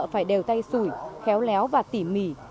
phải đều tay sủi khéo léo và tỉ mỉ